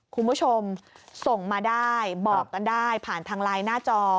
คุณผู้ชมส่งมาได้บอกกันได้ผ่านทางไลน์หน้าจอ